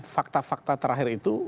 fakta fakta terakhir itu